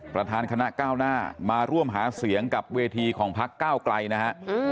ประธานคณะก้าวหน้ามาร่วมหาเสียงกับเวทีของพักก้าวไกลนะฮะ